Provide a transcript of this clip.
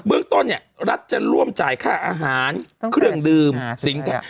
เรื่องต้นเนี่ยรัฐจะร่วมจ่ายค่าอาหารเครื่องดื่มสินค้า